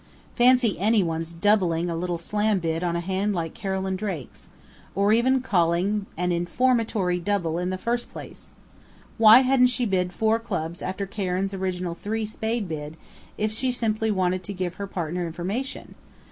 Fancy anyone's doubling a little slam bid on a hand like Carolyn Drake's or even calling an informatory double in the first place! Why hadn't she bid four Clubs after Karen's original three Spade bid, if she simply wanted to give her partner information?...